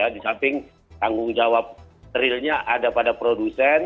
di samping tanggung jawab realnya ada pada produsen